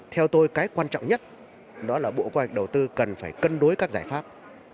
theo tôi cái quan trọng nhất đó là bộ kế hoạch đầu tư cần phải cân đối các giải pháp